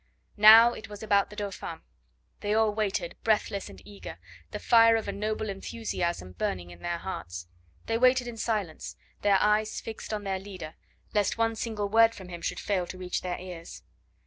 Now it was about the Dauphin. They all waited, breathless and eager, the fire of a noble enthusiasm burning in their hearts. They waited in silence, their eyes fixed on the leader, lest one single word from him should fail to reach their ears.